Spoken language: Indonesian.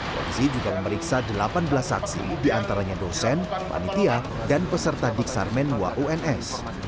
polisi juga memeriksa delapan belas saksi diantaranya dosen panitia dan peserta diksarmen wa uns